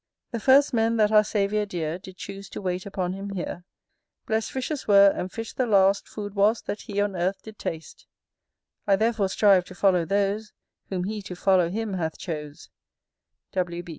The first men that our Saviour dear Did choose to wait upon him here, Blest fishers were, and fish the last Food was that he on earth did taste: I therefore strive to follow those Whom he to follow him hath chose.